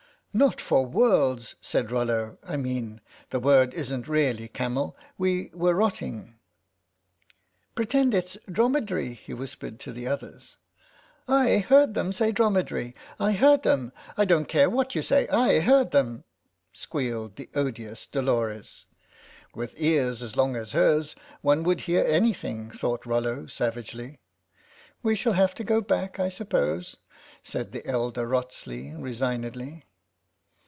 " Not for worlds," said Rollo ;" I mean, the word isn't really camel ; we were rotting. 88 THE STRATEGIST Pretend it's dromedary !'* he whispered to the others. " I heard them say * dromedary '! I heard them. I don't care what you say; I heard them," squealed the odious Dolores. " With ears as long as hers one would hear any thing," thought Rollo savagely. "We shall have to go back, I suppose," said the elder Wrotsley resignedly.